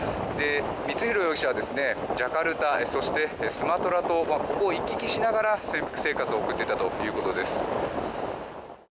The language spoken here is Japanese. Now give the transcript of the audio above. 光弘容疑者はジャカルタ、そしてスマトラ島ここを行き来しながら潜伏生活を送っていたということです。